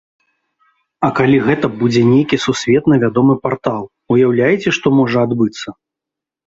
А калі гэта будзе нейкі сусветна вядомы партал, уяўляеце што можа адбыцца!?